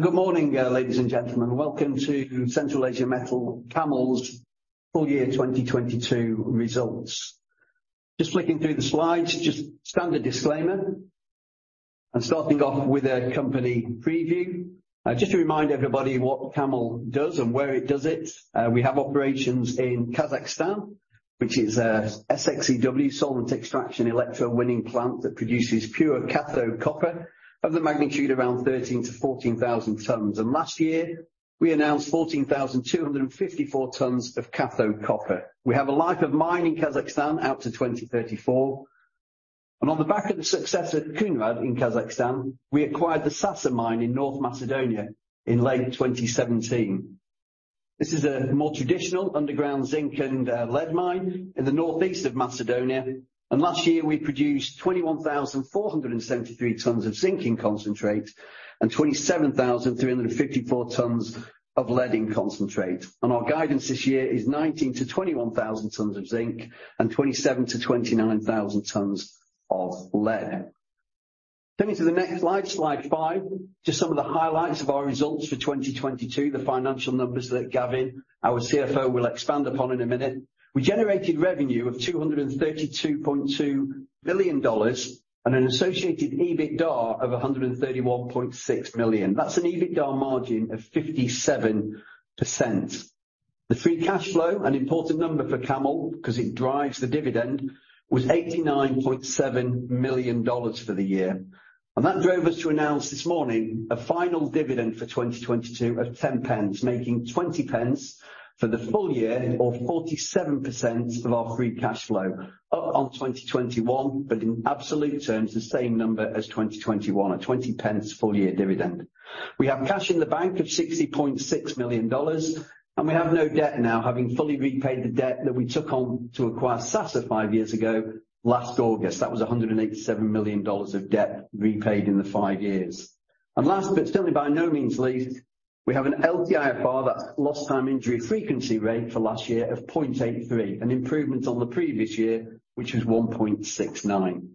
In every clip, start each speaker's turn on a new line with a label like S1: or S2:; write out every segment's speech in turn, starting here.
S1: Good morning, ladies and gentlemen. Welcome to Central Asia Metals, CAML's full year 2022 results. Just flicking through the slides, just standard disclaimer. Starting off with a company preview. Just to remind everybody what CAML does and where it does it. We have operations in Kazakhstan, which is a SXEW solvent extraction-electrowinning plant that produces pure cathode copper of the magnitude around 13,000 tons-14,000 tons. Last year, we announced 14,254 tons of cathode copper. We have a life of mine in Kazakhstan out to 2034. On the back of the success at Kounrad in Kazakhstan, we acquired the Sasa Mine in North Macedonia in late 2017. This is a more traditional underground zinc and lead mine in the northeast of Macedonia. Last year, we produced 21,473 tons of zinc in concentrate and 27,354 tons of lead in concentrate. Our guidance this year is 19,000 tons-21,000 tons of zinc and 27,000 tons-29,000 tons of lead. Coming to the next slide 5, just some of the highlights of our results for 2022, the financial numbers that Gavin, our CFO, will expand upon in a minute. We generated revenue of $232.2 billion and an associated EBITDA of $131.6 million. That's an EBITDA margin of 57%. The free cash flow, an important number for CAML 'cause it drives the dividend, was $89.7 million for the year. That drove us to announce this morning a final dividend for 2022 of 10 p, making 20 p for the full year or 47% of our free cash flow. Up on 2021, but in absolute terms, the same number as 2021 at 20 p full year dividend. We have cash in the bank of $60.6 million, and we have no debt now, having fully repaid the debt that we took on to acquire Sasa five years ago last August. That was $187 million of debt repaid in the five years. Last, but certainly by no means least, we have an LTIFR, that's lost time injury frequency rate, for last year of 0.83, an improvement on the previous year, which was 1.69.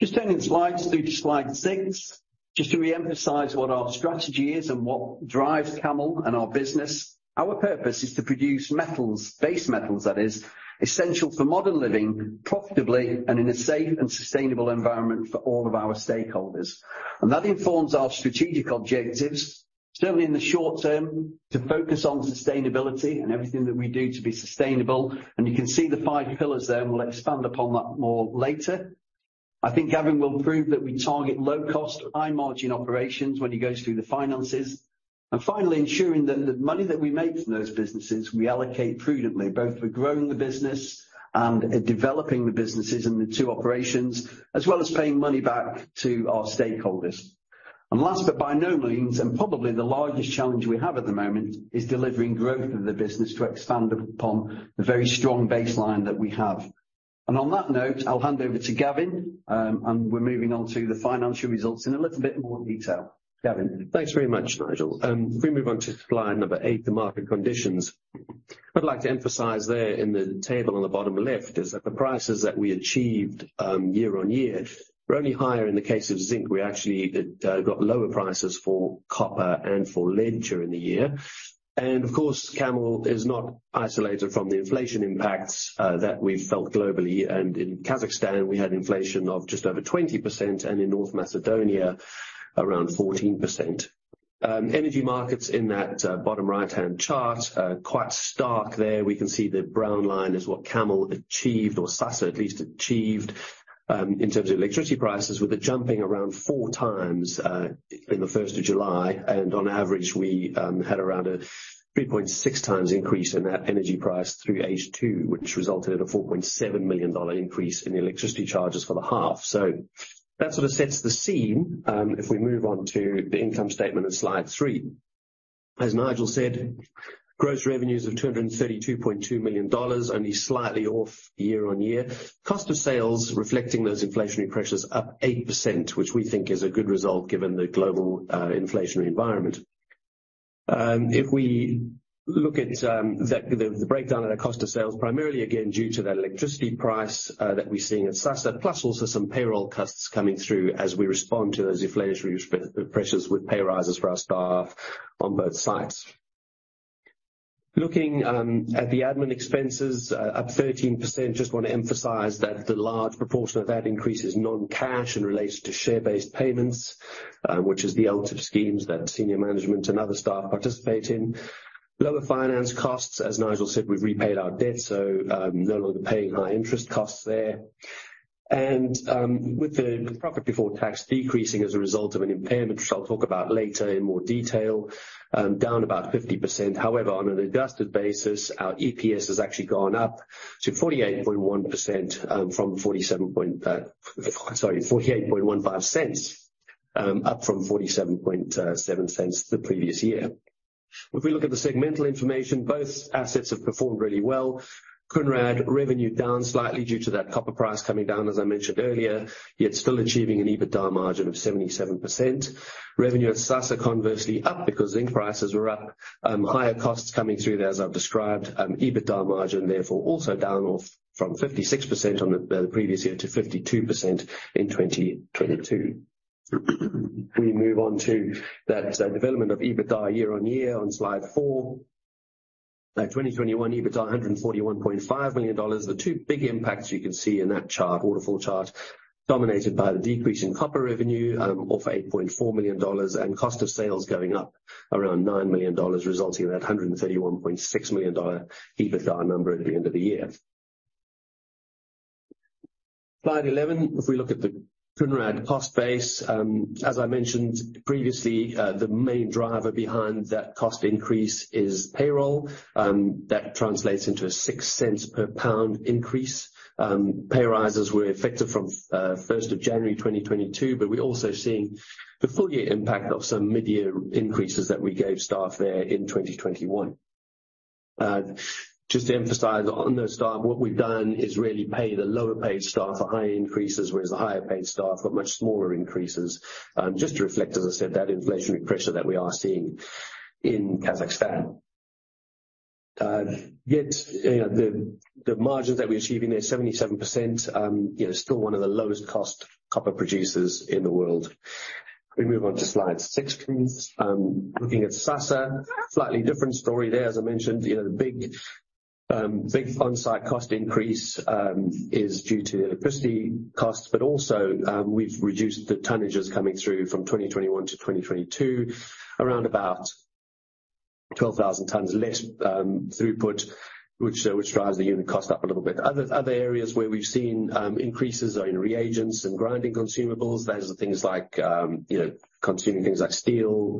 S1: Just turning slides through to slide six, just to reemphasize what our strategy is and what drives CAML and our business. Our purpose is to produce metals, base metals that is, essential for modern living, profitably and in a safe and sustainable environment for all of our stakeholders. That informs our strategic objectives, certainly in the short term, to focus on sustainability and everything that we do to be sustainable. You can see the five pillars there, and we'll expand upon that more later. I think Gavin will prove that we target low cost, high margin operations when he goes through the finances. Finally, ensuring that the money that we make from those businesses, we allocate prudently, both for growing the business and developing the businesses in the two operations, as well as paying money back to our stakeholders. Last, but by no means, and probably the largest challenge we have at the moment, is delivering growth of the business to expand upon the very strong baseline that we have. On that note, I'll hand over to Gavin, and we're moving on to the financial results in a little bit more detail. Gavin.
S2: Thanks very much, Nigel. If we move on to slide eight, the market conditions. I'd like to emphasize there in the table on the bottom left is that the prices that we achieved year-over-year were only higher in the case of zinc. We actually got lower prices for copper and for lead during the year. Of course, CAML is not isolated from the inflation impacts that we've felt globally. In Kazakhstan, we had inflation of just over 20%, and in North Macedonia, around 14%. Energy markets in that bottom right-hand chart, quite stark there. We can see the brown line is what CAML achieved, or Sasa at least achieved, in terms of electricity prices, with it jumping around 4x in July 1st. On average, we had around a 3.6x increase in that energy price through H2, which resulted in a $4.7 million increase in the electricity charges for the half. That sort of sets the scene, if we move on to the income statement in Slide three. As Nigel said, gross revenues of $232.2 million, only slightly off year-over-year. Cost of sales reflecting those inflationary pressures up 8%, which we think is a good result given the global inflationary environment. If we look at the breakdown of the cost of sales, primarily again due to that electricity price that we're seeing at Sasa, plus also some payroll costs coming through as we respond to those inflationary pre-pressures with pay rises for our staff on both sites. Looking at the admin expenses up 13%, just wanna emphasize that the large proportion of that increase is non-cash and relates to share-based payments, which is the LTIP schemes that senior management and other staff participate in. Lower finance costs, as Nigel said, we've repaid our debt, so no longer paying high interest costs there. With the profit before tax decreasing as a result of an impairment, which I'll talk about later in more detail, down about 50%. On an adjusted basis, our EPS has actually gone up to 48.1%, sorry, $0.4815, up from $0.477 the previous year. We look at the segmental information, both assets have performed really well. Kounrad revenue down slightly due to that copper price coming down, as I mentioned earlier, yet still achieving an EBITDA margin of 77%. Revenue at Sasa conversely up because zinc prices were up, higher costs coming through there as I've described. EBITDA margin therefore also down off from 56% on the previous year to 52% in 2022. We move on to that development of EBITDA year on year on slide four. 2021 EBITA $141.5 million. The two big impacts you can see in that chart, waterfall chart, dominated by the decrease in copper revenue, of $8.4 million and cost of sales going up around $9 million, resulting in that $131.6 million EBITA number at the end of the year. Slide 11, if we look at the Kounrad cost base, as I mentioned previously, the main driver behind that cost increase is payroll. That translates into a $0.06 per pound increase. Pay rises were effective from January 1, 2022, but we're also seeing the full year impact of some mid-year increases that we gave staff there in 2021. Just to emphasize on those staff, what we've done is really pay the lower paid staff higher increases, whereas the higher paid staff got much smaller increases. Just to reflect, as I said, that inflationary pressure that we are seeing in Kazakhstan. You know, the margins that we're achieving there, 77%, you know, still one of the lowest cost copper producers in the world. Can we move on to slide six, please? Looking at Sasa, slightly different story there. As I mentioned, you know, the big, big on-site cost increase is due to electricity costs, but also, we've reduced the tonnages coming through from 2021 to 2022, around about 12,000 tons less throughput, which drives the unit cost up a little bit. Other areas where we've seen increases are in reagents and grinding consumables. Those are things like, you know, consuming things like steel,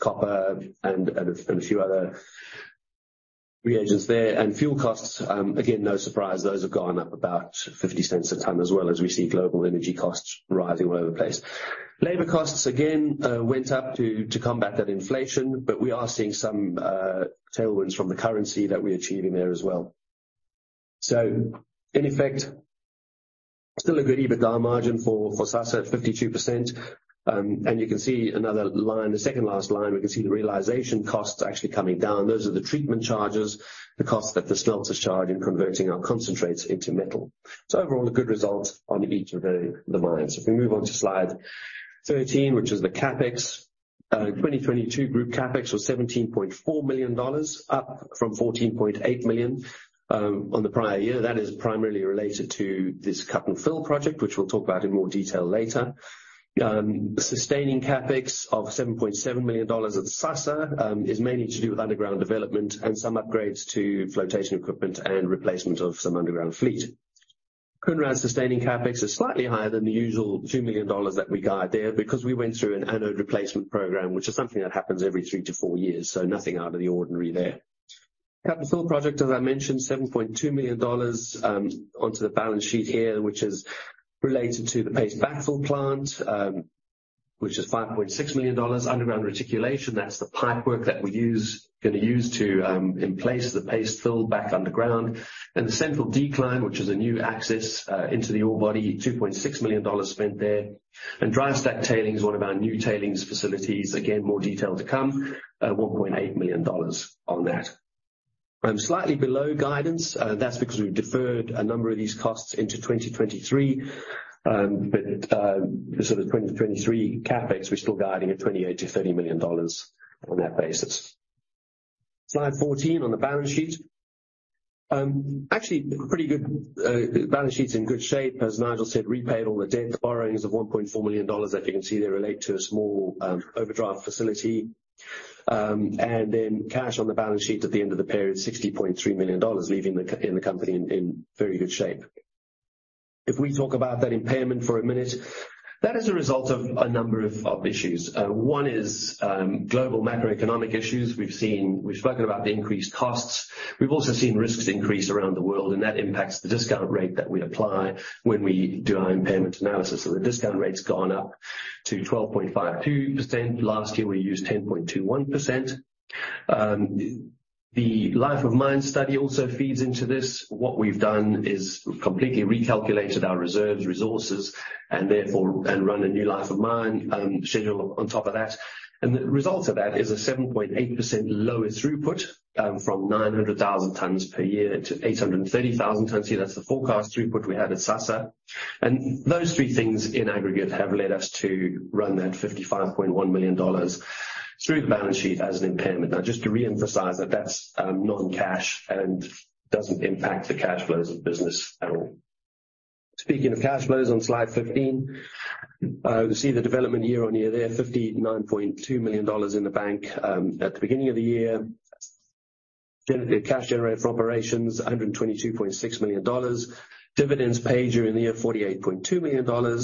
S2: copper, and a few other reagents there. Fuel costs, again, no surprise, those have gone up about $0.50 a ton, as well as we see global energy costs rising all over the place. Labor costs, again, went up to combat that inflation, but we are seeing some tailwinds from the currency that we're achieving there as well. In effect, still a good EBITDA margin for Sasa at 52%. You can see another line, the second last line, we can see the realization costs actually coming down. Those are the treatment charges, the cost that the smelters charge in converting our concentrates into metal. Overall, a good result on each of the mines. We move on to slide 13, which is the CapEx. 2022 group CapEx was $17.4 million, up from $14.8 million on the prior year. That is primarily related to this cut-and-fill project, which we'll talk about in more detail later. Sustaining CapEx of $7.7 million at Sasa, is mainly to do with underground development and some upgrades to flotation equipment and replacement of some underground fleet. Kounrad's sustaining CapEx is slightly higher than the usual $2 million that we guide there because we went through an anode replacement program, which is something that happens every three to four years, so nothing out of the ordinary there. CapEx fill project, as I mentioned, $7.2 million onto the balance sheet here, which is related to the paste backfill plant, which is $5.6 million. Underground reticulation, that's the pipework that we gonna use to emplace the paste fill back underground. The Central Decline, which is a new access into the ore body, $2.6 million spent there. Dry stack tailings, one of our new tailings facilities. Again, more detail to come, $1.8 million on that. I'm slightly below guidance. That's because we've deferred a number of these costs into 2023. The sort of 2023 CapEx, we're still guiding at $28 million-$30 million on that basis. Slide 14 on the balance sheet. Actually, pretty good. Balance sheet's in good shape. As Nigel said, repaid all the debt borrowings of $1.4 million. As you can see, they relate to a small overdraft facility. Cash on the balance sheet at the end of the period, $60.3 million, leaving the company in very good shape. If we talk about that impairment for a minute, that is a result of a number of issues. One is global macroeconomic issues. We've spoken about the increased costs. We've also seen risks increase around the world, and that impacts the discount rate that we apply when we do our impairments analysis. The discount rate's gone up to 12.52%. Last year, we used 10.21%. The life of mine study also feeds into this. What we've done is completely recalculated our reserves resources and therefore, and run a new life of mine schedule on top of that. The result of that is a 7.8% lower throughput from 900,000 tons per year to 830,000 tons a year. That's the forecast throughput we had at Sasa. Those three things in aggregate have led us to run that $55.1 million through the balance sheet as an impairment. Just to reemphasize that that's non-cash and doesn't impact the cash flows of the business at all. Speaking of cash flows on slide 15, we see the development year-over-year there, $59.2 million in the bank. At the beginning of the year, cash generated from operations, $122.6 million. Dividends paid during the year, $48.2 million.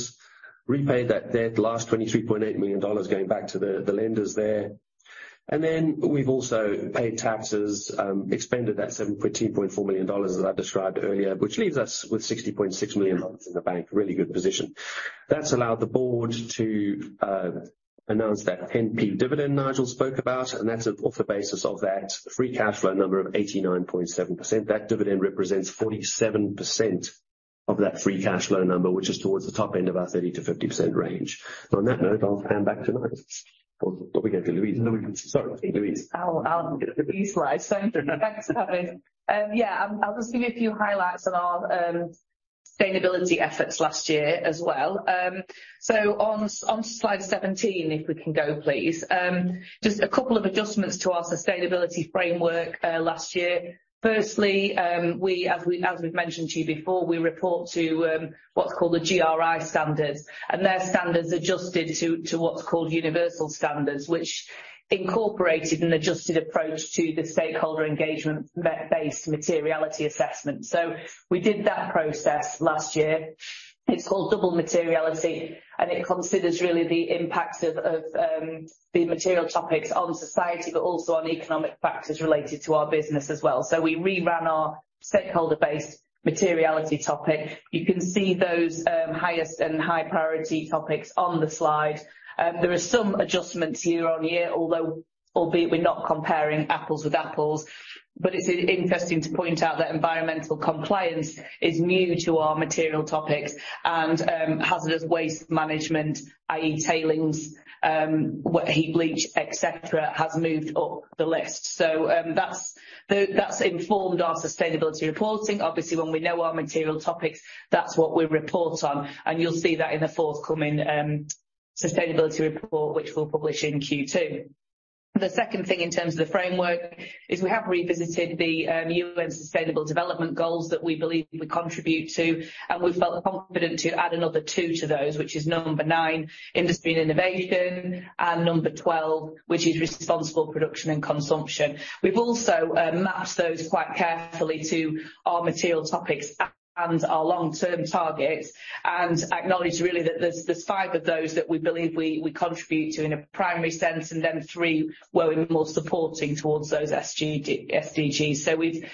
S2: Repaid that debt, the last $23.8 million going back to the lenders there. We've also paid taxes, expended that [$714.4] million that I described earlier, which leaves us with $60.6 million in the bank. Really good position. That's allowed the board to announce that 10p dividend Nigel spoke about, that's off the basis of that free cash flow number of 89.7%. That dividend represents 47% of that free cash flow number, which is towards the top end of our 30%-50% range. On that note, I'll hand back to Nigel. We go to Louise.
S3: No, we can-
S2: Sorry, Louise.
S3: I'll get it. Thanks, Simon. Yeah, I'll just give you a few highlights and I'll Sustainability efforts last year as well. On slide 17, if we can go, please. Just a couple of adjustments to our sustainability framework last year. Firstly, as we've mentioned to you before, we report to what's called the GRI standards, and their standards adjusted to what's called universal standards, which incorporated an adjusted approach to the stakeholder engagement based materiality assessment. We did that process last year. It's called double materiality, and it considers really the impact of the material topics on society, but also on economic factors related to our business as well. We reran our stakeholder-based materiality topic. You can see those highest and high priority topics on the slide. There are some adjustments year-on-year, although albeit we're not comparing apples with apples, but it's interesting to point out that environmental compliance is new to our material topics and hazardous waste management, i.e. tailings, heat bleach, et cetera, has moved up the list. That's informed our sustainability reporting. Obviously, when we know our material topics, that's what we report on, and you'll see that in the forthcoming sustainability report, which we'll publish in Q2. The second thing in terms of the framework is we have revisited the UN Sustainable Development Goals that we believe we contribute to, and we felt confident to add another two to those, which is number 9, industry and innovation, and number 12, which is responsible production and consumption. We've also mapped those quite carefully to our material topics and our long-term targets and acknowledged really that there's five of those that we believe we contribute to in a primary sense, and then three where we're more supporting towards those SDGs. We've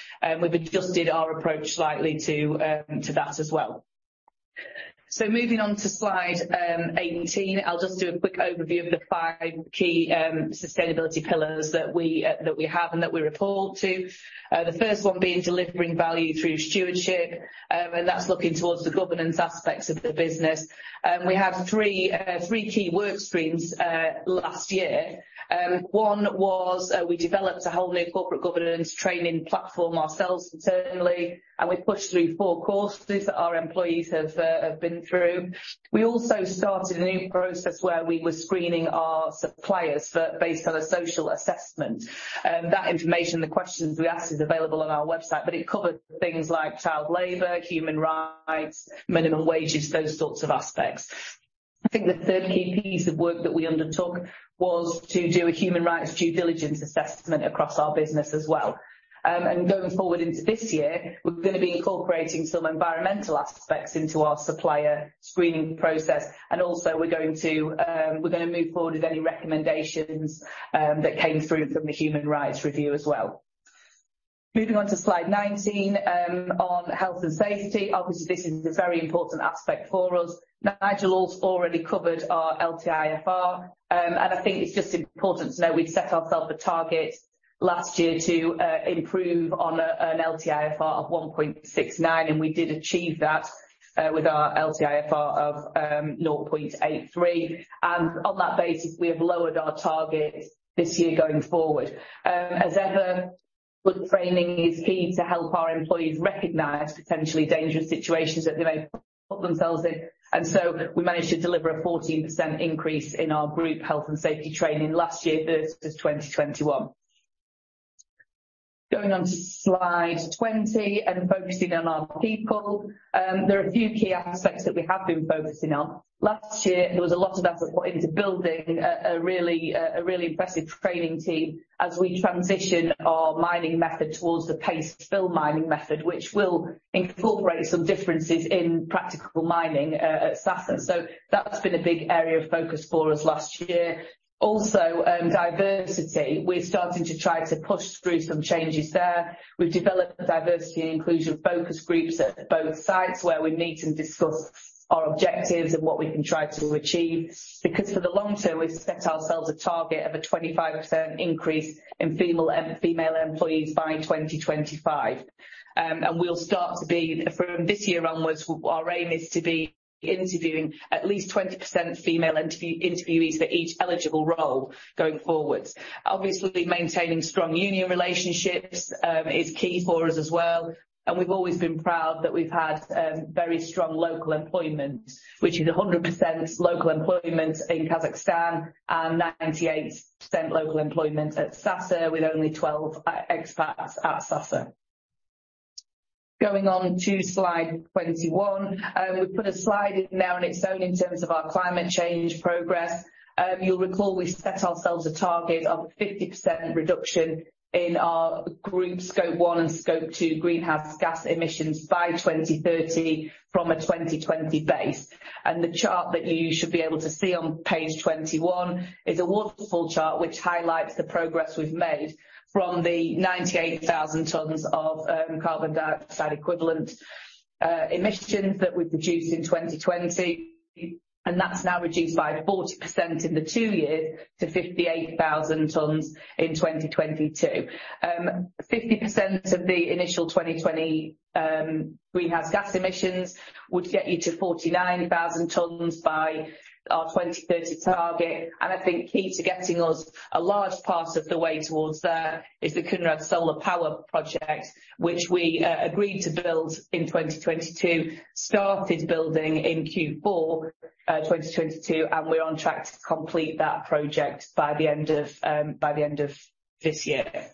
S3: adjusted our approach slightly to that as well. Moving on to slide 18, I'll just do a quick overview of the five key sustainability pillars that we have and that we report to. The first one being delivering value through stewardship, and that's looking towards the governance aspects of the business. We have three key work streams last year. One was, we developed a whole new corporate governance training platform ourselves internally. We pushed through four courses that our employees have been through. We also started a new process where we were screening our suppliers for based on a social assessment. That information, the questions we asked, is available on our website. It covered things like child labor, human rights, minimum wages, those sorts of aspects. I think the third key piece of work that we undertook was to do a human rights due diligence assessment across our business as well. Going forward into this year, we're gonna be incorporating some environmental aspects into our supplier screening process. Also we're going to, we're gonna move forward with any recommendations that came through from the human rights review as well. Moving on to slide 19, on health and safety. Obviously, this is a very important aspect for us. Nigel's already covered our LTIFR, and I think it's just important to know we've set ourselves a target last year to improve on an LTIFR of 1.69, and we did achieve that with our LTIFR of 0.83. On that basis, we have lowered our target this year going forward. As ever, good training is key to help our employees recognize potentially dangerous situations that they may put themselves in. We managed to deliver a 14% increase in our group health and safety training last year versus 2021. Going on to slide 20 and focusing on our people. There are a few key aspects that we have been focusing on. Last year, there was a lot of effort put into building a really impressive training team as we transition our mining method towards the paste backfill mining method, which will incorporate some differences in practical mining at Sasa. That's been a big area of focus for us last year. Also, diversity. We're starting to try to push through some changes there. We've developed diversity and inclusion focus groups at both sites where we meet and discuss our objectives and what we can try to achieve because for the long term we've set ourselves a target of a 25% increase in female employees by 2025. We'll start to be, from this year onwards, our aim is to be interviewing at least 20% female interviewees for each eligible role going forwards. Obviously, maintaining strong union relationships, is key for us as well. We've always been proud that we've had very strong local employment which is 100% local employment in Kazakhstan and 98% local employment at Sasa with only 12 expats at Sasa. Going on to slide 21. We've put a slide in now on its own in terms of our climate change progress. You'll recall we set ourselves a target of 50% reduction in our group Scope One and Scope Two greenhouse gas emissions by 2030 from a 2020 base. The chart that you should be able to see on page 21 is a wonderful chart which highlights the progress we've made from the 98,000 tons of carbon dioxide equivalent emissions that we produced in 2020, and that's now reduced by 40% in the two years to 58,000 tons in 2022. 50% of the initial 2020 greenhouse gas emissions would get you to 49,000 tons by our 2030 target. I think key to getting us a large part of the way towards there is the Kounrad Solar Power Plant which we agreed to build in 2022, started building in Q4, 2022 and we're on track to complete that project by the end of this year.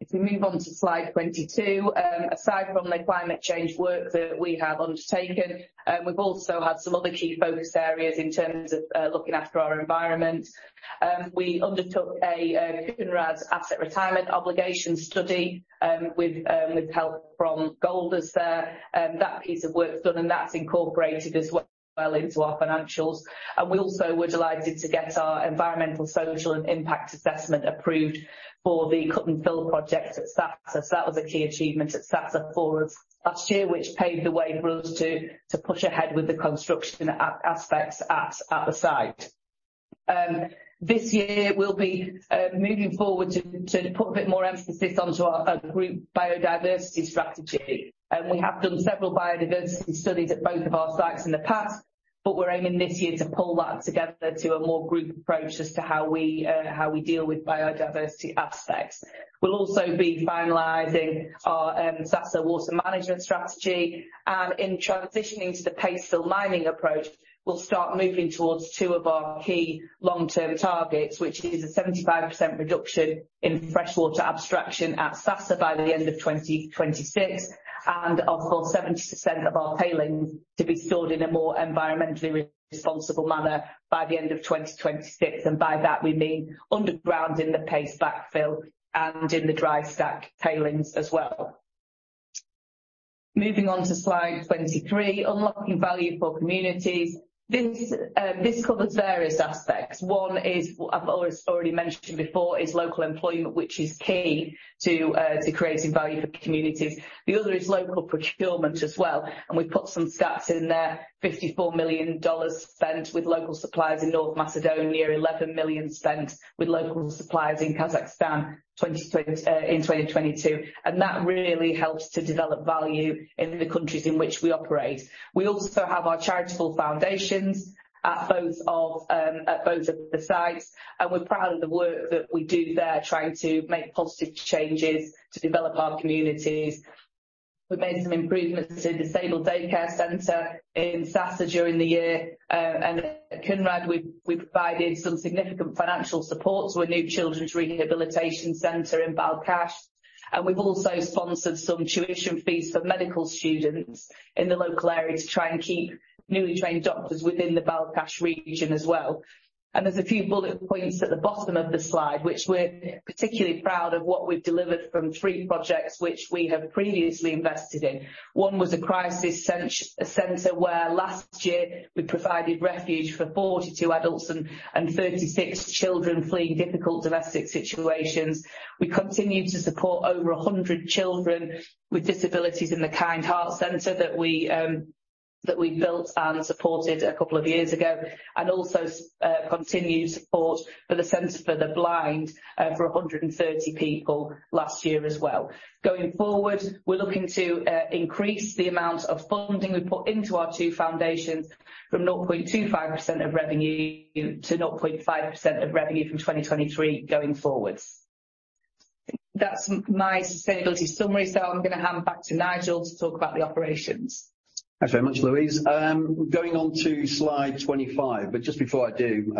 S3: If we move on to slide 22, aside from the climate change work that we have undertaken, we've also had some other key focus areas in terms of looking after our environment. We undertook a Kounrad asset retirement obligation study with help from Golder as that piece of work done, and that's incorporated as well into our financials. We also were delighted to get our environmental, social, and impact assessment approved for the cut-and-fill project at Sasa. That was a key achievement at Sasa for us last year, which paved the way for us to push ahead with the construction aspects at the site. This year we'll be moving forward to put a bit more emphasis onto our group biodiversity strategy. We have done several biodiversity studies at both of our sites in the past, but we're aiming this year to pull that together to a more group approach as to how we deal with biodiversity aspects. We'll also be finalizing our Sasa water management strategy. In transitioning to the paste backfill mining approach, we'll start moving towards two of our key long-term targets, which is a 75% reduction in freshwater abstraction at Sasa by the end of 2026, and of course, 70% of our tailings to be stored in a more environmentally responsible manner by the end of 2026, and by that we mean underground in the paste backfill and in the dry stack tailings as well. Moving on to slide 23, unlocking value for communities. This covers various aspects. One is, I've already mentioned before, is local employment, which is key to creating value for communities. The other is local procurement as well, and we've put some stats in there. $54 million spent with local suppliers in North Macedonia, $11 million spent with local suppliers in Kazakhstan in 2022. That really helps to develop value in the countries in which we operate. We also have our charitable foundations at both of the sites, and we're proud of the work that we do there trying to make positive changes to develop our communities. We made some improvements to the disabled daycare center in Sasa during the year. At Kounrad, we provided some significant financial support to a new children's rehabilitation center in Balkhash. We've also sponsored some tuition fees for medical students in the local area to try and keep newly trained doctors within the Balkhash region as well. There's a few bullet points at the bottom of the slide which we're particularly proud of what we've delivered from three projects which we have previously invested in. One was a crisis center where last year we provided refuge for 42 adults and 36 children fleeing difficult domestic situations. We continued to support over 100 children with disabilities in the Kind Heart Center that we built and supported a couple of years ago, and also continued support for the Center for the Blind for 130 people last year as well. Going forward, we're looking to increase the amount of funding we put into our two foundations from 0.25% of revenue to 0.5% of revenue from 2023 going forward. That's my sustainability summary. I'm gonna hand back to Nigel to talk about the operations.
S1: Thanks very much, Louise. Just before I do,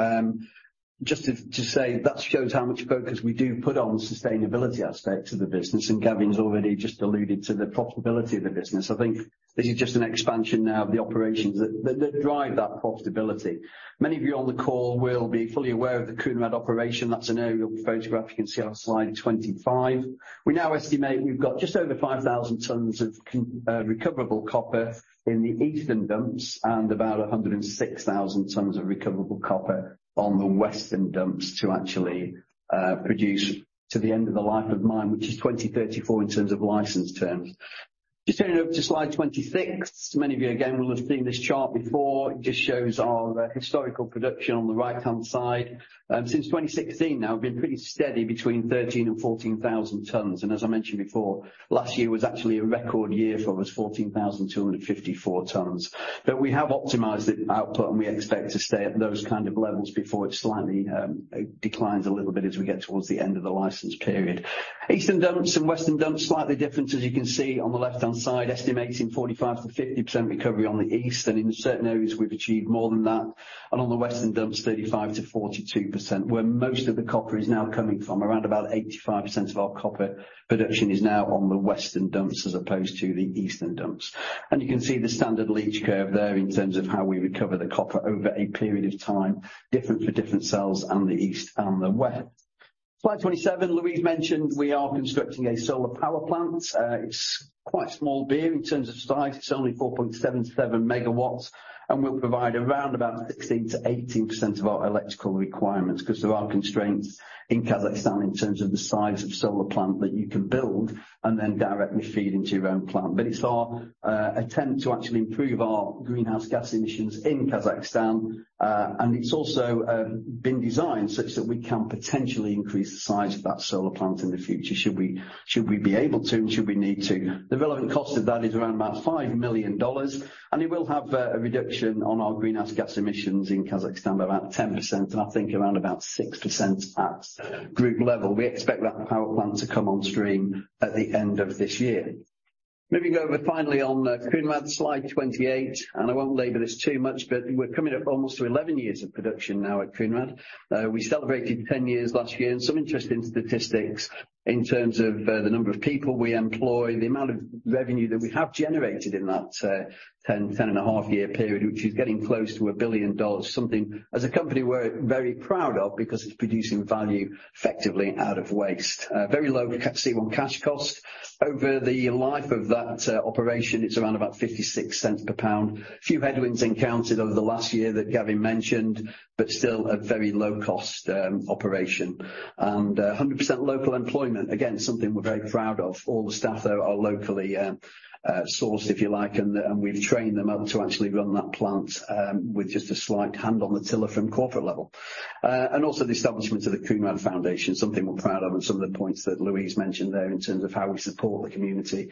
S1: just to say that shows how much focus we do put on sustainability aspects of the business, Gavin's already just alluded to the profitability of the business. I think this is just an expansion now of the operations that drive that profitability. Many of you on the call will be fully aware of the Kounrad operation. That's an aerial photograph you can see on slide 25. We now estimate we've got just over 5,000 tons of recoverable copper in the eastern dumps and about 106,000 tons of recoverable copper on the western dumps to actually produce to the end of the life of mine, which is 2034 in terms of license terms. Just turning over to slide 26. Many of you again will have seen this chart before. It just shows our historical production on the right-hand side. Since 2016 now, we've been pretty steady between 13,000-14,000 tons. As I mentioned before, last year was actually a record year for us, 14,254 tons. We have optimized the output, and we expect to stay at those kind of levels before it slightly declines a little bit as we get towards the end of the license period. Eastern dumps and western dumps, slightly different as you can see on the left-hand side, estimating 45%-50% recovery on the east. In certain areas we've achieved more than that. On the western dumps, 35%-42%, where most of the copper is now coming from. Around about 85% of our copper production is now on the western dumps as opposed to the eastern dumps. You can see the standard leach curve there in terms of how we recover the copper over a period of time, different for different cells and the east and the west. Slide 27, Louise mentioned we are constructing a solar power plant. It's quite small beer in terms of size. It's only 4.77 MW and will provide around about 16%-18% of our electrical requirements 'cause of our constraints in Kazakhstan in terms of the size of solar plant that you can build and then directly feed into your own plant. It's our attempt to actually improve our greenhouse gas emissions in Kazakhstan. It's also been designed such that we can potentially increase the size of that solar plant in the future, should we, should we be able to and should we need to. The relevant cost of that is around about $5 million, and it will have a reduction on our greenhouse gas emissions in Kazakhstan by about 10% and I think around about 6% at group level. We expect that power plant to come on stream at the end of this year. Moving over finally on Kounrad, slide 28. I won't labor this too much, but we're coming up almost to 11 years of production now at Kounrad. We celebrated 10 years last year, some interesting statistics in terms of the number of people we employ, the amount of revenue that we have generated in that 10 and a half year period, which is getting close to $1 billion. Something as a company we're very proud of because it's producing value effectively out of waste. Very low C1 cash cost. Over the life of that operation, it's around about $0.56 per pound. A few headwinds encountered over the last year that Gavin mentioned, but still a very low cost operation. 100% local employment, again, something we're very proud of. All the staff are locally sourced, if you like, and we've trained them up to actually run that plant with just a slight hand on the tiller from corporate level. Also the establishment of the Kounrad Foundation, something we're proud of and some of the points that Louise mentioned there in terms of how we support the community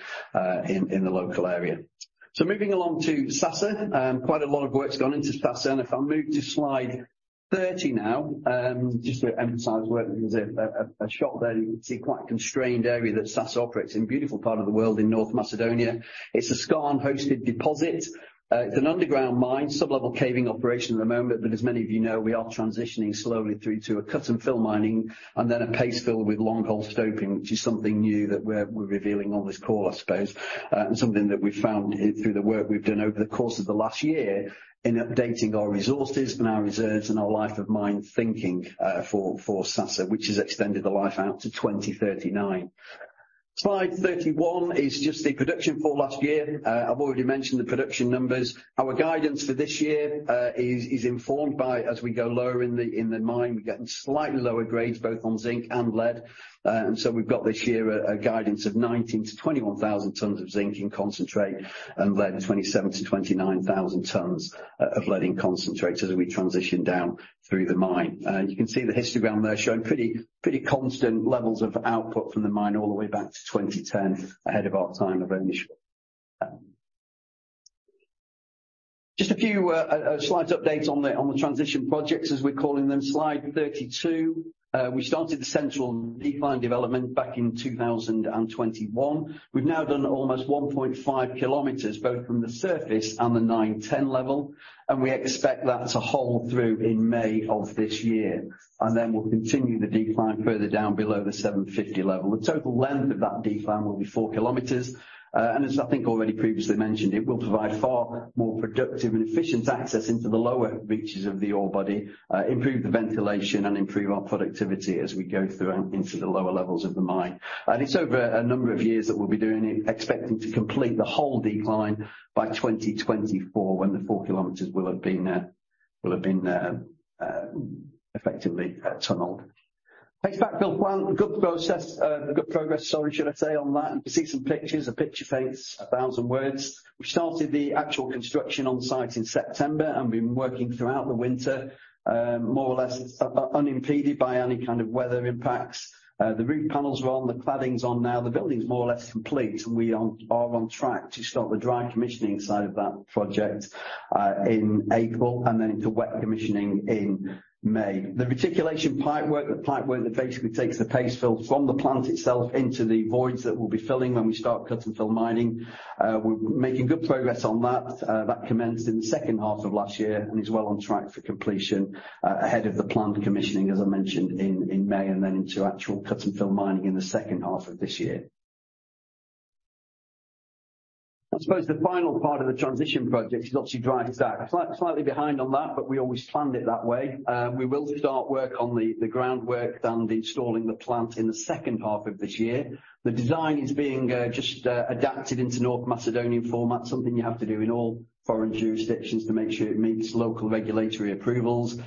S1: in the local area. Moving along to Sasa, quite a lot of work's gone into Sasa. If I move to slide 30 now, just to emphasize where there's a shot there, you can see quite constrained area that Sasa operates in. Beautiful part of the world in North Macedonia. It's a skarn-hosted deposit. It's an underground mine, sub-level caving operation at the moment, but as many of you know, we are transitioning slowly through to a cut-and-fill mining and then a paste fill with long-hole stoping, which is something new that we're revealing on this call, I suppose. Something that we've found through the work we've done over the course of the last year in updating our resources and our reserves and our life of mine thinking for Sasa, which has extended the life out to 2039. Slide 31 is just the production for last year. I've already mentioned the production numbers. Our guidance for this year is informed by as we go lower in the mine, we're getting slightly lower grades both on zinc and lead. We've got this year a guidance of 19,000-21,000 tons of zinc in concentrate and lead of 27,000-29,000 tons of lead in concentrate as we transition down through the mine. You can see the histogram there showing pretty constant levels of output from the mine all the way back to 2010 ahead of our time of ownership. Just a few slides update on the transition projects as we're calling them. Slide 32, we started the Central Decline development back in 2021. We've now done almost 1.5 km both from the surface and the 910 level. We expect that to hole through in May of this year. We'll continue the decline further down below the 750 level. The total length of that decline will be 4 km. As I think already previously mentioned, it will provide far more productive and efficient access into the lower reaches of the ore body, improve the ventilation and improve our productivity as we go through and into the lower levels of the mine. It's over a number of years that we'll be doing it, expecting to complete the whole decline by 2024 when the 4 km will have been effectively tunneled. Paste fill plant. Good process, good progress, sorry should I say on that. You can see some pictures. A picture paints 1,000 words. We started the actual construction on site in September and been working throughout the winter, more or less unimpeded by any kind of weather impacts. The roof panels are on, the cladding's on now. The building's more or less complete. We are on track to start the dry commissioning side of that project in April and then into wet commissioning in May. The reticulation pipework, the pipework that basically takes the paste fill from the plant itself into the voids that we'll be filling when we start cut-and-fill mining, we're making good progress on that. That commenced in the second half of last year and is well on track for completion ahead of the plant commissioning, as I mentioned in May, and then into actual cut-and-fill mining in the second half of this year. I suppose the final part of the transition project is obviously dry stack. Slightly behind on that. We always planned it that way. We will start work on the groundwork and installing the plant in the second half of this year. The design is being just adapted into North Macedonian format, something you have to do in all foreign jurisdictions to make sure it meets local regulatory approvals.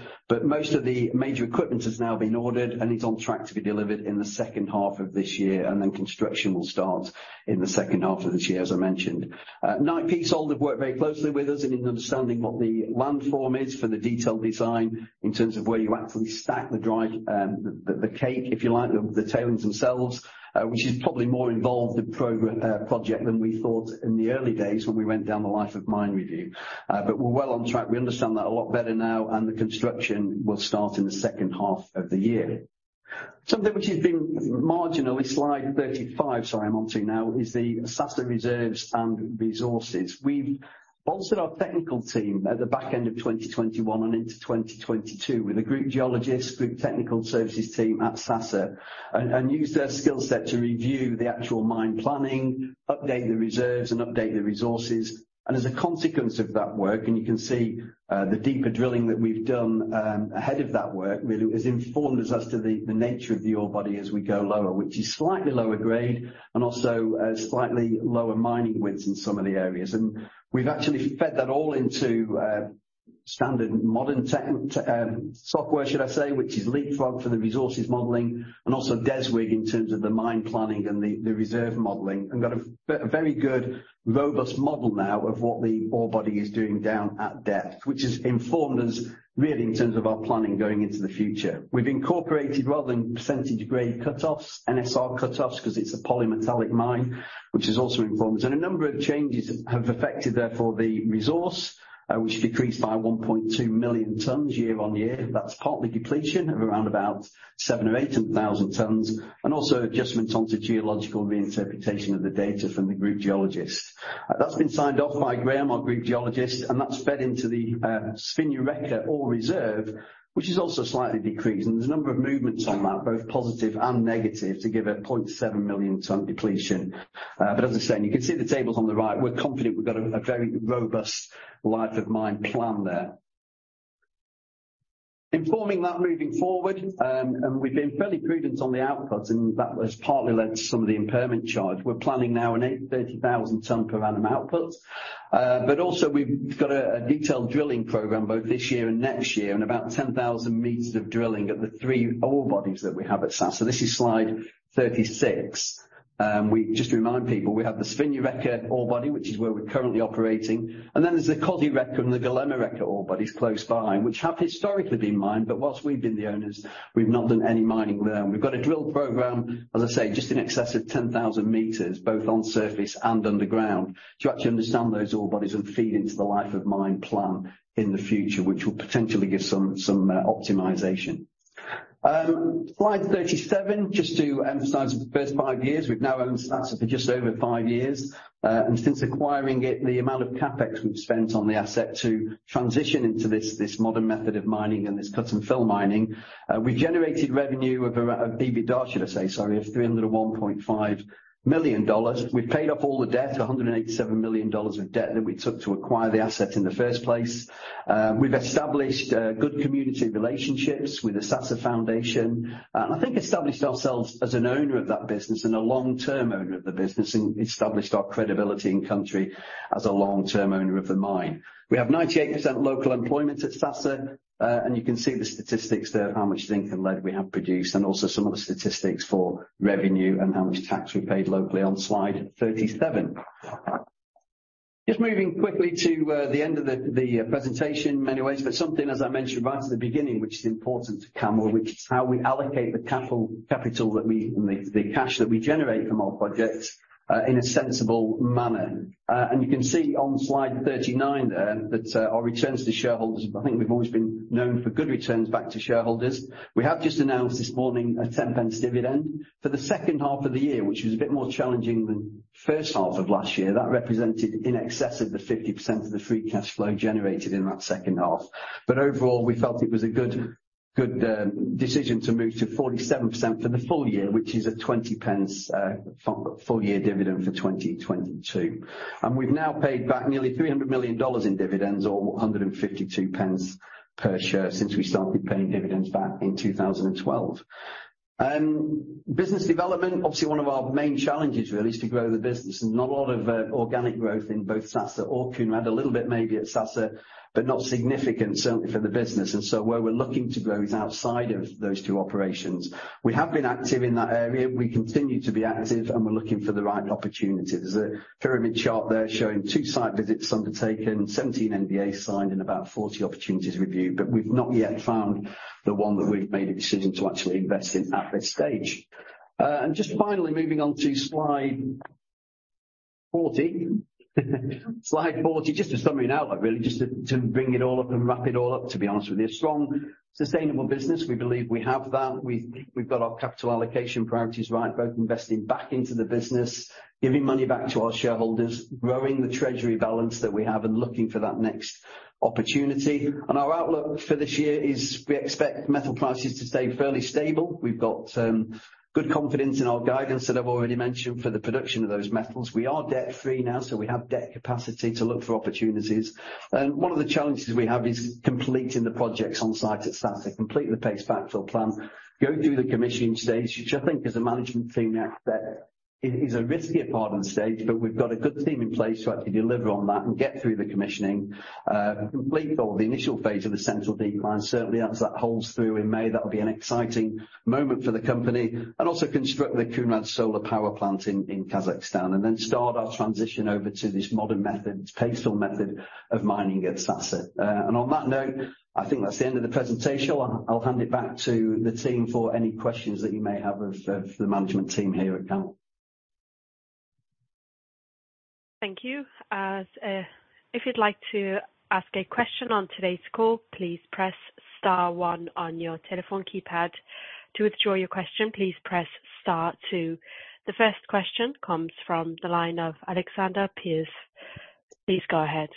S1: Most of the major equipment has now been ordered and is on track to be delivered in the second half of this year, and then construction will start in the second half of this year, as I mentioned. Knight Piésold have worked very closely with us in understanding what the land form is for the detailed design in terms of where you actually stack the dry the cake, if you like, the tailings themselves. Which is probably more involved a project than we thought in the early days when we went down the life of mine review. We're well on track. We understand that a lot better now and the construction will start in the second half of the year. Something which has been marginal is slide 35. Sorry, I'm onto now, is the Sasa reserves and resources. We've bolstered our technical team at the back end of 2021 and into 2022 with a group geologist, group technical services team at Sasa and used their skill set to review the actual mine planning, update the reserves and update the resources. As a consequence of that work, and you can see, the deeper drilling that we've done ahead of that work, really has informed us as to the nature of the ore body as we go lower, which is slightly lower grade and also slightly lower mining widths in some of the areas. We've actually fed that all into standard modern software, should I say, which is Leapfrog for the resources modeling and also Deswik in terms of the mine planning and the reserve modeling, and got a very good robust model now of what the ore body is doing down at depth, which has informed us really in terms of our planning going into the future. We've incorporated rather than % grade cut-offs, NSR cut-offs because it's a polymetallic mine, which has also informed us. A number of changes have affected therefore the resource, which decreased by 1.2 million tons year-on-year. That's partly depletion of around about 700,000 tons or 800,000 tons, and also adjustments onto geological reinterpretation of the data from the group geologists. That's been signed off by Graham, our group geologist, and that's fed into the Svinja Reka ore reserve, which has also slightly decreased. There's a number of movements on that, both positive and negative, to give it 0.7 million ton depletion. As I said, and you can see the tables on the right, we're confident we've got a very robust life of mine plan there. Informing that moving forward, and we've been fairly prudent on the outputs, and that has partly led to some of the impairment charge. We're planning now an 830,000 ton per annum outputs. Also, we've got a detailed drilling program both this year and next year, and about 10,000 m of drilling at the three ore bodies that we have at Sasa. This is slide 36. Just to remind people, we have the Svinja Reka ore body, which is where we're currently operating. Then there's the Kozja Reka and the Golema Reka ore bodies close by, which have historically been mined, but whilst we've been the owners, we've not done any mining there. We've got a drill program, as I say, just in excess of 10,000 meters, both on surface and underground, to actually understand those ore bodies and feed into the life of mine plan in the future, which will potentially give some optimization. Slide 37, just to emphasize the first five years. We've now owned Sasa for just over five years. Since acquiring it, the amount of CapEx we've spent on the asset to transition into this modern method of mining and this cut-and-fill mining, we generated revenue of around EBITDA, should I say, sorry, of $301.5 million. We've paid off all the debt, $187 million of debt that we took to acquire the asset in the first place. We've established good community relationships with the Sasa Foundation. I think established ourselves as an owner of that business and a long-term owner of the business, and established our credibility in country as a long-term owner of the mine. We have 98% local employment at Sasa, and you can see the statistics there of how much zinc and lead we have produced, and also some of the statistics for revenue and how much tax we paid locally on slide 37. Just moving quickly to the end of the presentation many ways, but something, as I mentioned right at the beginning, which is important to CAML, which is how we allocate the capital, the cash that we generate from our projects in a sensible manner. You can see on slide 39 there that our returns to shareholders, I think we've always been known for good returns back to shareholders. We have just announced this morning a 10 p dividend. For the second half of the year, which was a bit more challenging than first half of last year, that represented in excess of the 50% of the free cash flow generated in that second half. Overall, we felt it was a good decision to move to 47% for the full year, which is a 20 p full year dividend for 2022. We've now paid back nearly $300 million in dividends or 152 p per share since we started paying dividends back in 2012. Business development, obviously one of our main challenges really is to grow the business. There's not a lot of organic growth in both Sasa or Kounrad. A little bit maybe at Sasa, but not significant certainly for the business. Where we're looking to grow is outside of those two operations. We have been active in that area. We continue to be active, and we're looking for the right opportunities. There's a pyramid chart there showing two site visits undertaken, 17 NDAs signed, and about 40 opportunities reviewed, but we've not yet found the one that we've made a decision to actually invest in at this stage. just finally moving on to slide 40. Slide 40, just to sum it out really, just to bring it all up and wrap it all up, to be honest with you. A strong, sustainable business. We believe we have that. We've got our capital allocation priorities right, both investing back into the business, giving money back to our shareholders, growing the treasury balance that we have and looking for that next opportunity. Our outlook for this year is we expect metal prices to stay fairly stable. We've got good confidence in our guidance that I've already mentioned for the production of those metals. We are debt-free now, so we have debt capacity to look for opportunities. One of the challenges we have is completing the projects on-site at Sasa. Complete the Paste Backfill Plant, go through the commissioning stage, which I think as a management team is a riskier part of the stage, but we've got a good team in place to actually deliver on that and get through the commissioning. Complete all the initial phase of the Central Decline. Certainly as that holds through in May, that'll be an exciting moment for the company. Also construct the Kounrad Solar Power Plant in Kazakhstan, start our transition over to this modern method, this paste-fill method of mining at Sasa. On that note, I think that's the end of the presentation. I'll hand it back to the team for any questions that you may have of the management team here at CAML.
S4: Thank you. As if you'd like to ask a question on today's call, please press star one on your telephone keypad. To withdraw your question, please press star two. The first question comes from the line of Alexander Pearce. Please go ahead.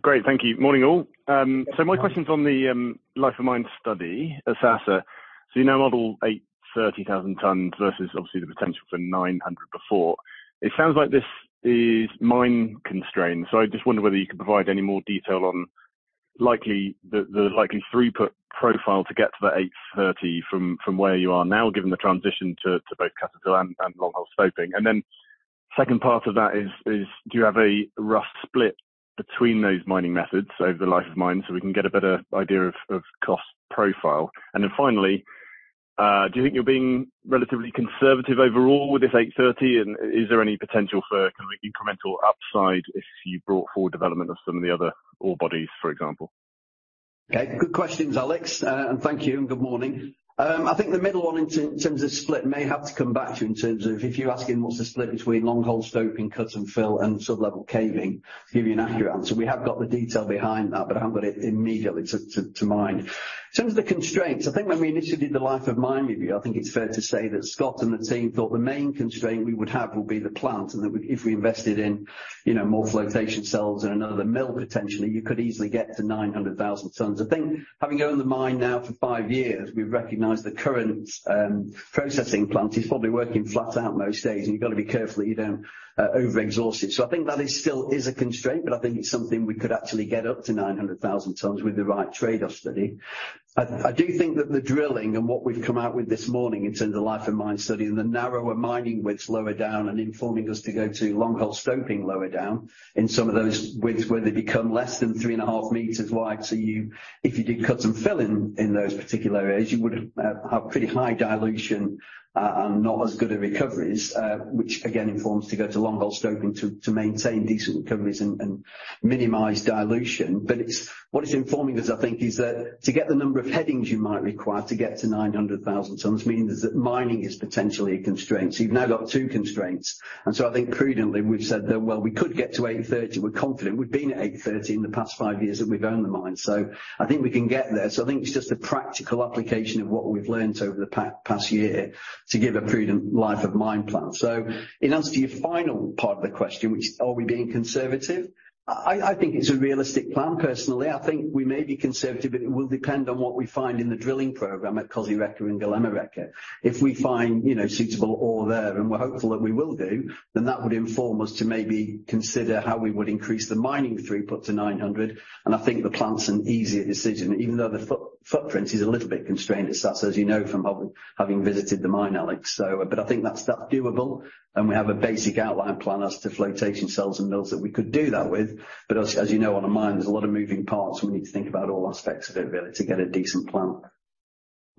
S5: Great, thank you. Morning, all. My question's on the life of mine study at Sasa. You now model 830,000 tonnes versus obviously the potential for 900 before. It sounds like this is mine constrained. I just wonder whether you could provide any more detail on the likely throughput profile to get to the 830 from where you are now, given the transition to both cut-and-fill and long-hole stoping. Second part of that is do you have a rough split between those mining methods over the life of mine, so we can get a better idea of cost profile? Finally, do you think you're being relatively conservative overall with this 830? Is there any potential for kind of incremental upside if you brought forward development of some of the other ore bodies, for example?
S1: Okay. Good questions, Alex. Thank you, and good morning. I think the middle one in terms of split may have to come back to you in terms of if you're asking what's the split between long-hole stoping, cut-and-fill, and sub-level caving to give you an accurate answer. We have got the detail behind that, but I haven't got it immediately to mind. In terms of the constraints, I think when we initially did the life of mine review, I think it's fair to say that Scott and the team thought the main constraint we would have will be the plant and that if we invested in, you know, more flotation cells and another mill, potentially you could easily get to 900,000 tons. I think having owned the mine now for five years, we've recognized the current processing plant is probably working flat out most days, and you've got to be careful you don't overexhaust it. I think that is still is a constraint, but I think it's something we could actually get up to 900,000 tons with the right trade-off study. I do think that the drilling and what we've come out with this morning in terms of life of mine study and the narrower mining widths lower down and informing us to go to long-hole stoping lower down in some of those widths where they become less than three and a half meters wide. If you did cut-and-fill in those particular areas, you would have pretty high dilution, and not as good a recoveries, which again informs to go to long-hole stoping to maintain decent recoveries and minimize dilution. What it's informing us, I think, is that to get the number of headings you might require to get to 900,000 tons means is that mining is potentially a constraint. You've now got two constraints. I think prudently, we've said that, "Well, we could get to 830. We're confident. We've been at 830 in the past five years that we've owned the mine." I think we can get there. I think it's just a practical application of what we've learned over the past year to give a prudent life of mine plan. In answer to your final part of the question, which are we being conservative? I think it's a realistic plan, personally. I think we may be conservative, but it will depend on what we find in the drilling program at Kozja Reka and Golema Reka. If we find, you know, suitable ore there, and we're hopeful that we will do, that would inform us to maybe consider how we would increase the mining throughput to 900. I think the plant's an easier decision, even though the footprint is a little bit constrained. It's that, as you know, from having visited the mine, Alex. But I think that's doable. We have a basic outline plan as to flotation cells and mills that we could do that with. As, as you know, on a mine, there's a lot of moving parts, and we need to think about all aspects of it, really, to get a decent plan.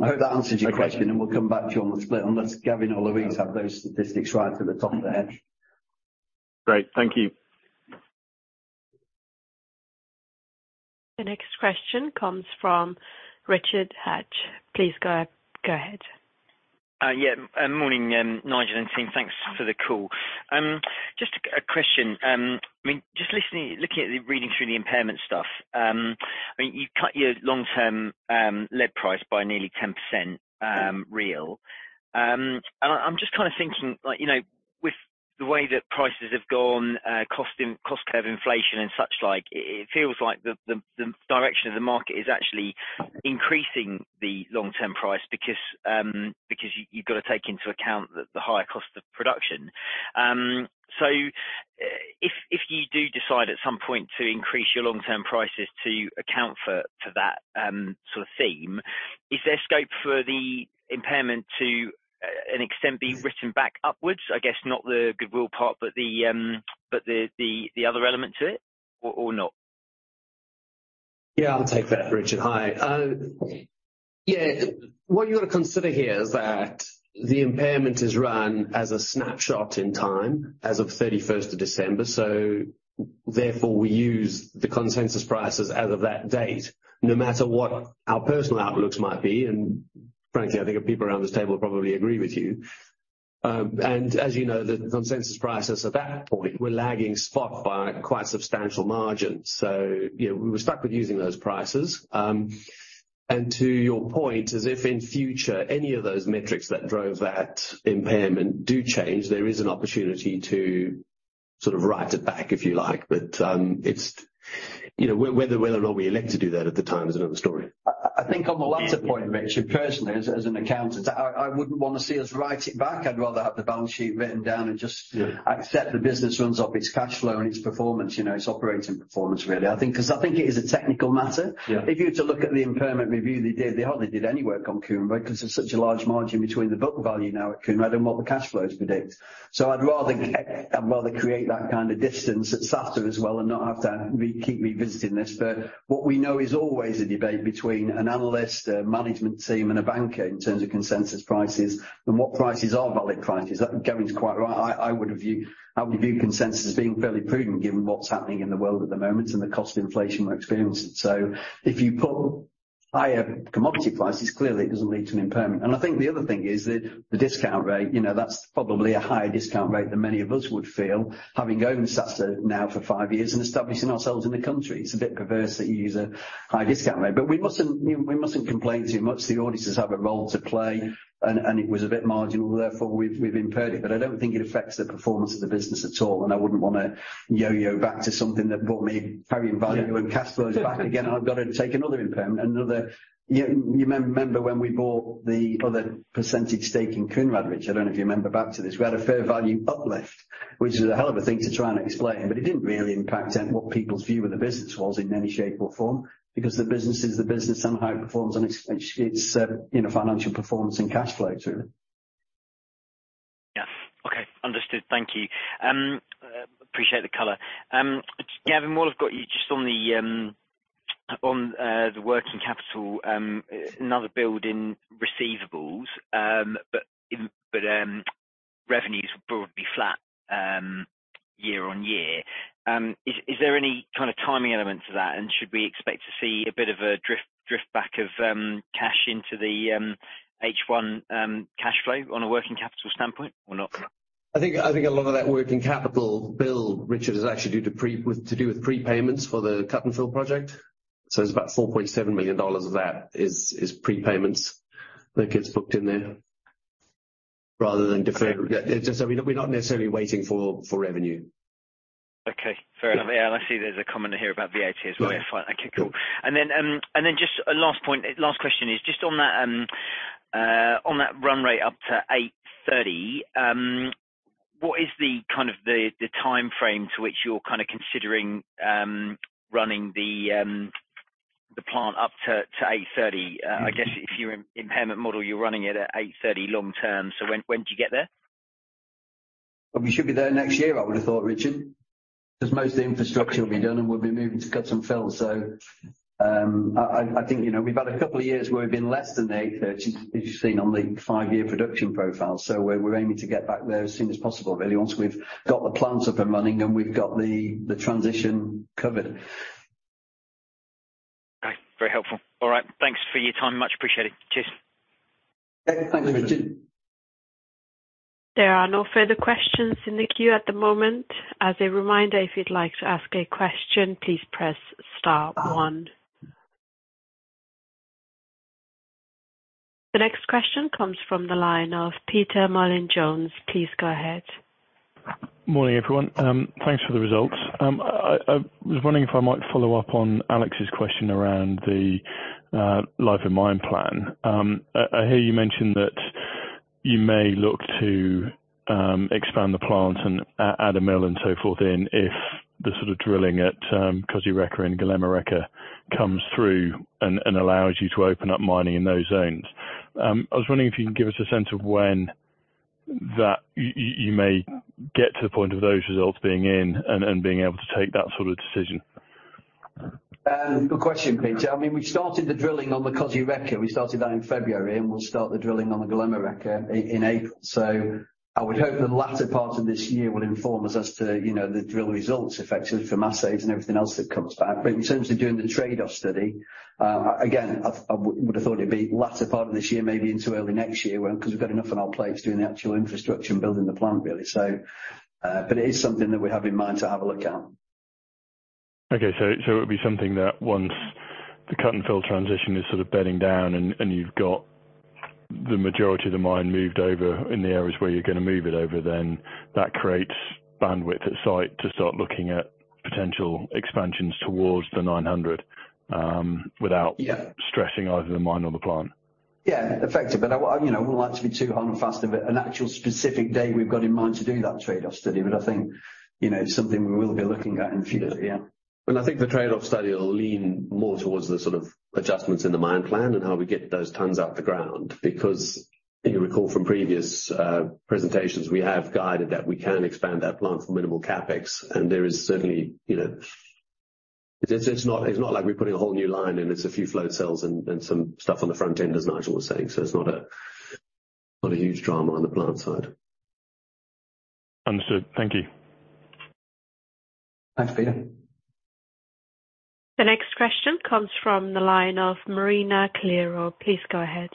S1: I hope that answers your question. Okay. We'll come back to you on the split unless Gavin or Louise have those statistics right at the top of their head. Great. Thank you.
S4: The next question comes from Richard Hatch. Please go ahead.
S6: Yeah. Morning, Nigel and team. Thanks for the call. Just a question. I mean, just listening, looking at the reading through the impairment stuff, I mean, you've cut your long-term lead price by nearly 10%, real. I'm just kind of thinking, like, you know, with the way that prices have gone, cost curve inflation and such like, it feels like the direction of the market is actually increasing the long-term price because you've got to take into account the higher cost of production. If you do decide at some point to increase your long-term prices to account for that sort of theme, is there scope for the impairment to extent be written back upwards? I guess not the goodwill part, but the other element to it or not?
S1: Yeah, I'll take that, Richard. Hi. Yeah. What you gotta consider here is that the impairment is run as a snapshot in time as of December 31st. Therefore, we use the consensus prices as of that date, no matter what our personal outlooks might be. Frankly, I think the people around this table probably agree with you. And as you know, the consensus prices at that point were lagging spot by quite a substantial margin. You know, we were stuck with using those prices. To your point, as if in future any of those metrics that drove that impairment do change, there is an opportunity to sort of write it back, if you like. It's, you know, whether or not we elect to do that at the time is another story. I think on the last point, Richard, personally, as an accountant, I wouldn't wanna see us write it back. I'd rather have the balance sheet written down and just.
S6: Yeah.
S1: Accept the business runs off its cash flow and its performance, you know, its operating performance, really. I think, 'cause I think it is a technical matter.
S6: Yeah.
S1: If you were to look at the impairment review they did, they hardly did any work on Kounrad because there's such a large margin between the book value now at Kounrad and what the cash flows predict. I'd rather create that kind of distance at Sasa as well and not have to keep revisiting this. What we know is always a debate between an analyst, a management team, and a banker in terms of consensus prices and what prices are valid prices. That Gavin's quite right. I would view consensus as being fairly prudent given what's happening in the world at the moment and the cost inflation we're experiencing. If you put higher commodity prices, clearly it doesn't lead to an impairment. I think the other thing is the discount rate, you know, that's probably a higher discount rate than many of us would feel having owned Sasa now for five years and establishing ourselves in the country. It's a bit perverse that you use a high discount rate. We mustn't, you know, we mustn't complain too much. The auditors have a role to play and it was a bit marginal, therefore we've impaired it. I don't think it affects the performance of the business at all, and I wouldn't wanna yo-yo back to something that brought me carrying value and cash flows back again. I've got to take another impairment, another... You remember when we bought the other percentage stake in Kounrad, which I don't know if you remember back to this. We had a fair value uplift, which is a hell of a thing to try and explain, but it didn't really impact what people's view of the business was in any shape or form because the business is the business and how it performs and its, you know, financial performance and cash flows, really.
S6: Yeah. Okay. Understood. Thank you. Appreciate the color. Gavin, while I've got you just on the working capital, another build in receivables, but revenues were broadly flat. Year-on-year. Is there any kind of timing element to that? Should we expect to see a bit of a drift back of cash into the H1 cash flow on a working capital standpoint or not?
S1: I think a lot of that working capital, Bill, Richard, is actually due to prepayments for the cut-and-fill project. It's about $4.7 million of that is prepayments that gets booked in there rather than deferred. Yeah. Just so we're not, we're not necessarily waiting for revenue.
S6: Okay. Fair enough. Yeah, I see there's a comment in here about VOD as well.
S1: Yeah.
S6: Okay, cool. Then just a last question is just on that, on that run rate up to 830, what is the kind of the timeframe to which you're kind of considering, running the plant up to 830?
S1: Mm-hmm.
S6: I guess if your impairment model, you're running it at $8.30 long term. When, when do you get there?
S1: We should be there next year I would have thought, Richard. 'Cause most of the infrastructure will be done, and we'll be moving to cut-and-fill. I think, you know, we've had a couple of years where we've been less than 830 as you've seen on the five-year production profile. We're aiming to get back there as soon as possible really once we've got the plant up and running and we've got the transition covered.
S6: Okay. Very helpful. All right. Thanks for your time. Much appreciated. Cheers.
S1: Okay. Thanks, Richard.
S4: There are no further questions in the queue at the moment. As a reminder, if you'd like to ask a question, please press star one. The next question comes from the line of Peter Mallin-Jones. Please go ahead.
S7: Morning, everyone. Thanks for the results. I was wondering if I might follow up on Alex's question around the life and mine plan. I hear you mention that you may look to expand the plant and add a mill and so forth in if the sort of drilling at Kozja Reka and Golema Reka comes through and allows you to open up mining in those zones. I was wondering if you can give us a sense of when that you may get to the point of those results being in and being able to take that sort of decision.
S1: Good question, Peter. I mean, we started the drilling on the Kozja Reka. We started that in February, and we'll start the drilling on the Golema Reka in April. I would hope the latter part of this year will inform us as to, you know, the drill results effectively from assays and everything else that comes back. In terms of doing the trade-off study, again, I would have thought it'd be latter part of this year, maybe into early next year when 'cause we've got enough on our plates doing the actual infrastructure and building the plant really. It is something that we have in mind to have a look at.
S7: Okay. It would be something that once the cut-and-fill transition is sort of bedding down and you've got the majority of the mine moved over in the areas where you're gonna move it over, then that creates bandwidth at site to start looking at potential expansions towards the 900.
S1: Yeah.
S7: Without stressing over the mine or the plant.
S1: Yeah. Effective. I, you know, wouldn't like to be too hard and fast of an actual specific day we've got in mind to do that trade-off study. I think, you know, it's something we will be looking at in the future. Yeah.
S2: I think the trade-off study will lean more towards the sort of adjustments in the mine plan and how we get those tons out the ground. You recall from previous presentations, we have guided that we can expand that plant for minimal CapEx. There is certainly, you know, it's not like we're putting a whole new line in. It's a few flow cells and some stuff on the front end, as Nigel was saying. It's not a huge drama on the plant side.
S7: Understood. Thank you.
S1: Thanks, Peter.
S4: The next question comes from the line of Marina Calero. Please go ahead.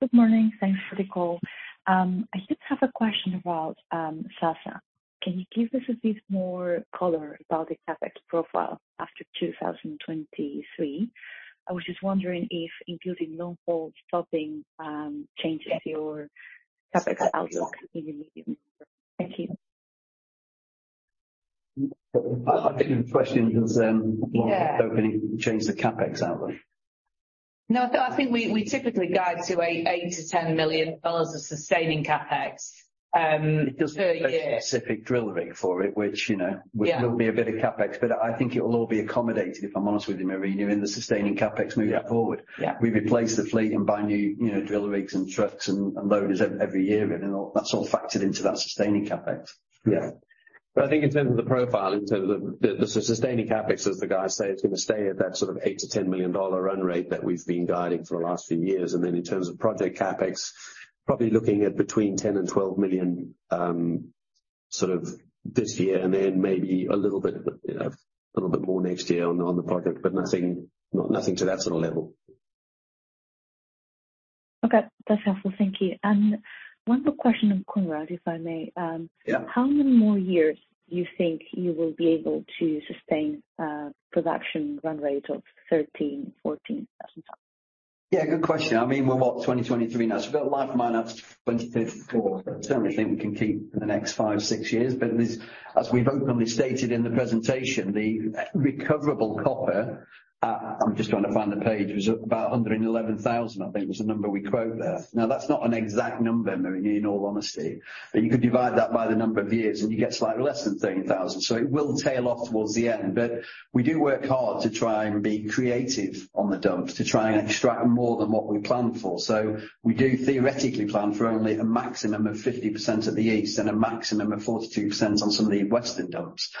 S8: Good morning. Thanks for the call. I did have a question about Sasa. Can you give us a bit more color about the CapEx profile after 2023? I was just wondering if including long-hole stoping changes your CapEx outlook in the medium term. Thank you.
S1: I think the question is.
S8: Yeah.
S1: long-hole stoping change the CapEx outlook.
S3: No, I think we typically guide to $8 million-$10 million of sustaining CapEx per year.
S1: It does take a specific drill rig for it, which, you know.
S3: Yeah.
S1: Will be a bit of CapEx, but I think it will all be accommodated, if I'm honest with you, Marina, in the sustaining CapEx moving forward.
S2: Yeah. Yeah.
S1: We replace the fleet and buy new, you know, driller rigs and trucks and loaders every year, that's all factored into that sustaining CapEx.
S2: Yeah. I think in terms of the profile, in terms of the sustaining CapEx, as the guys say, it's gonna stay at that sort of $8 million-$10 million run rate that we've been guiding for the last few years. In terms of project CapEx, probably looking at between $10 million and $12 million sort of this year and then maybe a little bit, you know, a little bit more next year on the, on the project, but nothing to that sort of level.
S8: Okay. That's helpful. Thank you. One more question on Kounrad, if I may.
S1: Yeah.
S8: How many more years you think you will be able to sustain, production run rate of 13,000 tons-14,000 tons?
S1: Yeah, good question. I mean, we're what? 2023 now. We've got a life mine that's 2054. I certainly think we can keep for the next five, six years. As, as we've openly stated in the presentation, the recoverable copper, I'm just trying to find the page, was about under 11,000, I think was the number we quote there. Now, that's not an exact number, Marina, in all honesty. You could divide that by the number of years, and you get slightly less than 13,000. It will tail off towards the end. We do work hard to try and be creative on the dumps to try and extract more than what we plan for. We do theoretically plan for only a maximum of 50% at the east and a maximum of 42% on some of the western dumps.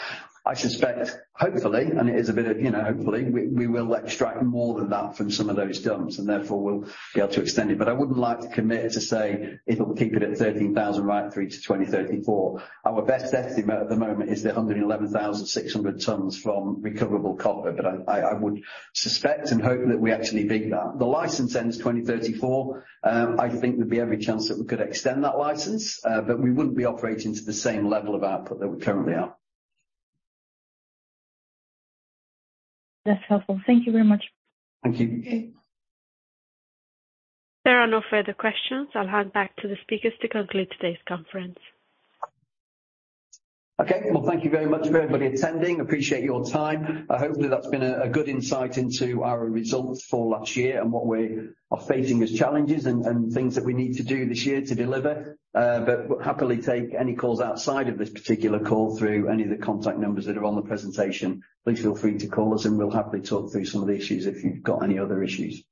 S1: I suspect, hopefully, and it is a bit of, you know, hopefully, we will extract more than that from some of those dumps, and therefore we'll be able to extend it. I wouldn't like to commit to say if it'll keep it at 13,000 right through to 2034. Our best estimate at the moment is the under 11,600 tons from recoverable copper. I would suspect and hope that we actually beat that. The license ends 2034. I think there'd be every chance that we could extend that license, but we wouldn't be operating to the same level of output that we currently are.
S8: That's helpful. Thank you very much.
S1: Thank you.
S8: Okay.
S4: There are no further questions. I'll hand back to the speakers to conclude today's conference.
S1: Okay. Well, thank you very much for everybody attending. Appreciate your time. Hopefully, that's been a good insight into our results for last year and what we are facing as challenges and things that we need to do this year to deliver. We'll happily take any calls outside of this particular call through any of the contact numbers that are on the presentation. Please feel free to call us, and we'll happily talk through some of the issues if you've got any other issues.